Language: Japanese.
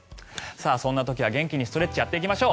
そんな時は元気にストレッチやっていきましょう。